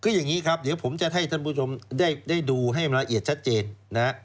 คืออย่างนี้ครับเดี๋ยวผมจะให้ท่านผู้ชมได้ดูให้ละเอียดชัดเจนนะฮะ